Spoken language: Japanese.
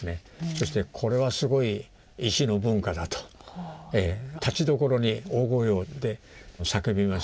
そして「これはすごい石の文化だ」とたちどころに大声で叫びまして。